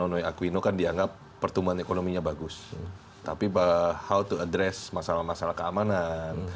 nono akuino kan dianggap pertumbuhan ekonominya bagus tapi how to address masalah masalah keamanan